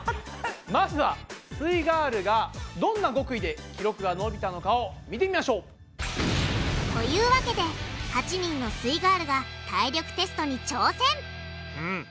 まずはすイガールがどんな極意で記録が伸びたのかを見てみましょう！というわけで８人のすイガールが体力テストに挑戦！